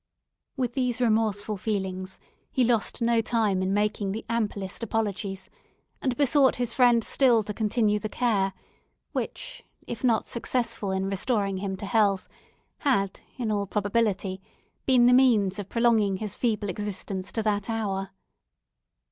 With these remorseful feelings, he lost no time in making the amplest apologies, and besought his friend still to continue the care which, if not successful in restoring him to health, had, in all probability, been the means of prolonging his feeble existence to that hour.